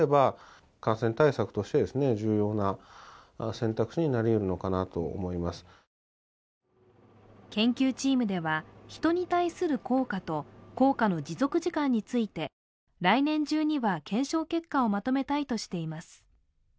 研究チームのメンバーで感染症の専門家は研究チームでは、人に対する効果と効果の持続時間について来年中には検証結果をまとめたいとしています。